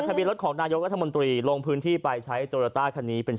เบียรถของนายกรัฐมนตรีลงพื้นที่ไปใช้โตโยต้าคันนี้เป็น